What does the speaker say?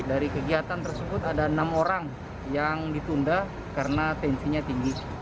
dari kegiatan tersebut ada enam orang yang ditunda karena tensinya tinggi